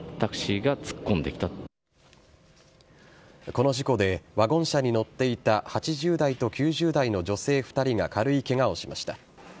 この事故でワゴン車に乗っていた８０代と９０代の女性２人が軽いケガをしました。